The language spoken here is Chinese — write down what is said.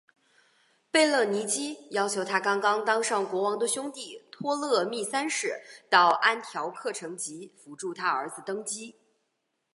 贝勒尼基要求她刚刚当上国王的兄弟托勒密三世到安条克城及扶助她儿子登基。